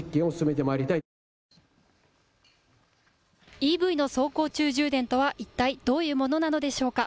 ＥＶの走行中充電とは一体どういうものなのでしょうか。